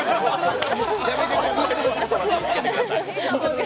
やめてください。